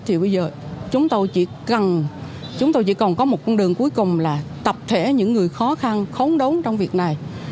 thì bây giờ chúng tôi chỉ cần có một con đường cuối cùng là tập thể những người khó khăn khó đấu trong việc này